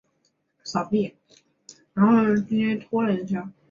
一小群热情的中国人基督徒散布在城市的东部。